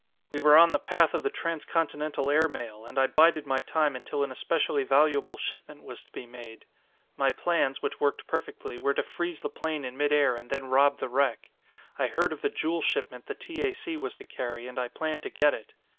"We were on the path of the transcontinental air mail, and I bided my time until an especially valuable shipment was to be made. My plans, which worked perfectly, were to freeze the plane in midair and then rob the wreck. I heard of the jewel shipment the T. A. C. was to carry and I planned to get it.